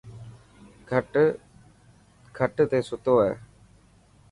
کٽ تي ستو هي.